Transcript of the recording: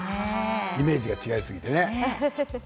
イメージが違いすぎてね。